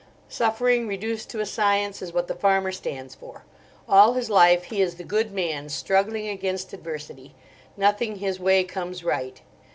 Suffering reduced to a science is what the farmer stands for. All his life he is the good man struggling against adversity. Nothing his way comes right.